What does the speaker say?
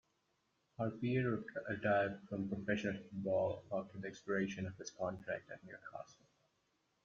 Harper retired from professional football after the expiration of his contract at Newcastle.